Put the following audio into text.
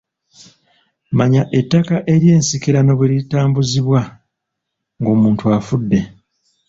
Manya ettaka eryensikirano bwe litambuzibwa ng'omuntu afudde.